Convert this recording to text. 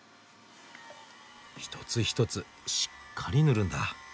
一つ一つしっかり塗るんだ。